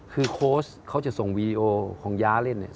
คือโค้ชเขาจะส่งวีดีโอของย้าเล่นเนี่ย